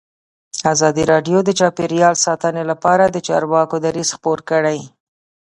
ازادي راډیو د چاپیریال ساتنه لپاره د چارواکو دریځ خپور کړی.